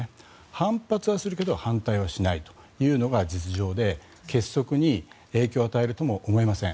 反発はするけど反対はしないというのが実情で結束に影響を与えるとも思えません。